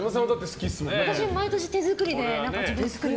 私、毎年手作りで作る。